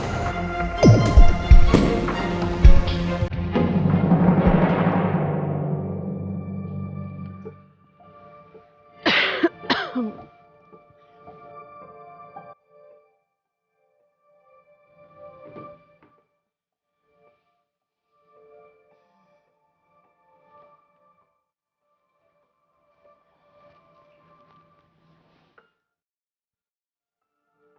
ada yang suka